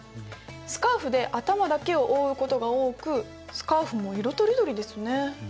スカーフで頭だけを覆うことが多くスカーフも色とりどりですね。